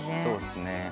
そうっすね。